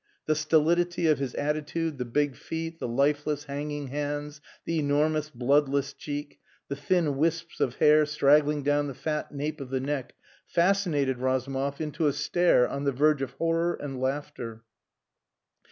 The stolidity of his attitude, the big feet, the lifeless, hanging hands, the enormous bloodless cheek, the thin wisps of hair straggling down the fat nape of the neck, fascinated Razumov into a stare on the verge of horror and laughter.